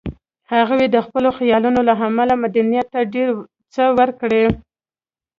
هغوی د خپلو خیالونو له امله مدنیت ته ډېر څه ورکړي